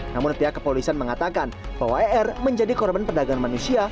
namun pihak kepolisian mengatakan bahwa er menjadi korban perdagangan manusia